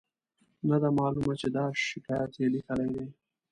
نه ده معلومه چې دا شکایت یې لیکلی دی.